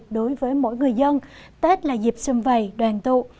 đối với mỗi người dân tết là dịp xuân vầy đoàn tụ